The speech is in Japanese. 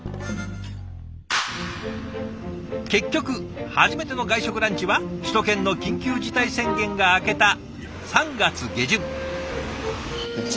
結局初めての外食ランチは首都圏の緊急事態宣言が明けた３月下旬。